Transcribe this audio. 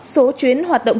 số chuyến hoạt động